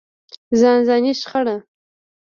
ځانځاني شخړه.